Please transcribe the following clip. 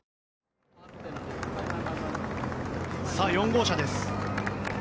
４号車です。